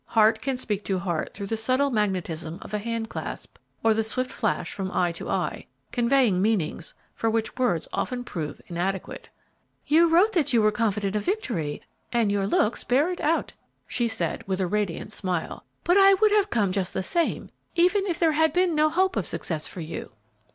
Heart can speak to heart through the subtle magnetism of a hand clasp, or the swift flash from eye to eye, conveying meanings for which words often prove inadequate. "You wrote that you were confident of victory, and your looks bear it out," she said, 'with a radiant smile; "but I would have come just the same, even had there been no hope of success for you."